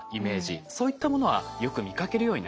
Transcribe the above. そういったものはよく見かけるようになりましたよね。